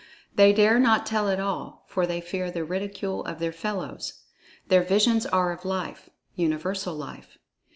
They dare not tell it all, for they fear the ridicule of their fellows. Their visions are of Life—Universal Life.